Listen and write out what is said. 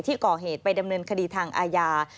ที่ก่อเหตุไปดำเนินคดีทางอาญา